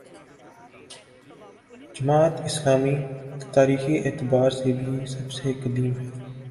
جماعت اسلامی تاریخی اعتبار سے بھی سب سے قدیم ہے۔